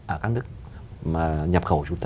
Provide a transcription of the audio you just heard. ở các nước nhập khẩu của chúng ta